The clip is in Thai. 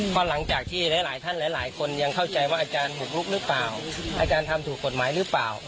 เพราะหลังจากที่หลายท่านหลายคนยังเข้าใจว่าอาจารย์บุกลุกหรือเปล่าอาจารย์ทำถูกกฎหมายหรือเปล่า